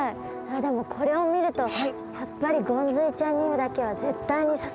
でもこれを見るとやっぱりゴンズイちゃんにだけは絶対に刺されたくないです。